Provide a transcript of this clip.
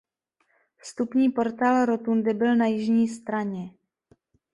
Vstupní portál rotundy byl na jižní straně.